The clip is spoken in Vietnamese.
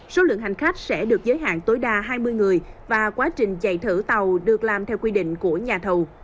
số lượng hành khách sẽ được giới hạn tối đa hai mươi người và quá trình chạy thử tàu được làm theo quy định của nhà thầu